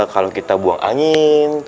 kalau kita buang angin